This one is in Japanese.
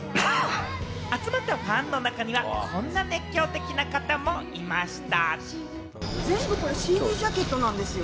集まったファンの中には、こんな熱狂的な方もいました。